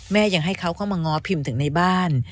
แม่ยังให้เขาก็มาง้อพิมถึงในบ้าน